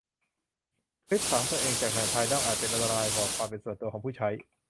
สคริปต์ฝังตัวจากแหล่งภายนอกอาจเป็นอันตรายต่อความเป็นส่วนตัวของผู้ใช้